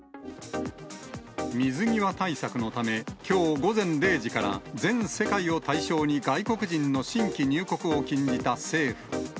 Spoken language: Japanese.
水際対策のため、きょう午前０時から、全世界を対象に、外国人の新規入国を禁じた政府。